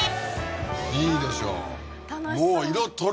いいでしょもう。